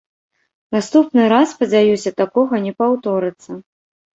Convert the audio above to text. Наступны раз, спадзяюся, такога не паўторыцца.